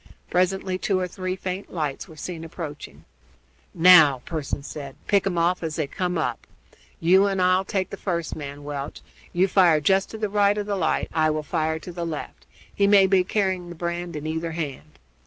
Presently two or three faint lights were seen approaching. "Now," Pearson said, "pick 'em off as they come up. You and I'll take the first man, Welch. You fire just to the right of the light, I will fire to the left; he may be carrying the brand in either hand."